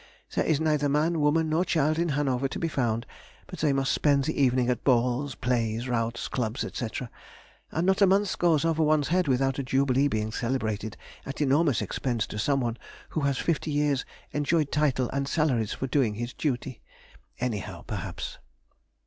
There is neither man, woman, nor child in Hanover to be found but they must spend the evening at balls, plays, routs, clubs, &c., and not a month goes over one's head without a jubilee being celebrated at enormous expense to someone who has fifty years enjoyed title and salaries for doing his duty (anyhow, perhaps).